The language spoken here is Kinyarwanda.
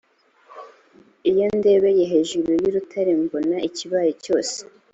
iyo ndebeye hejuru y’urutare mbona ikibaya cyose.